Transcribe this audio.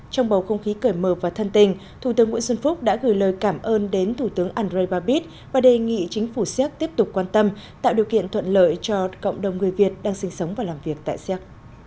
trong bầu không khí cởi mở và thân tình thủ tướng nguyễn xuân phúc đã gửi lời cảm ơn đến thủ tướng andrei babis và đề nghị chính phủ séc tiếp tục quan tâm tạo điều kiện thuận lợi cho cộng đồng người việt đang sinh sống và làm việc tại xéc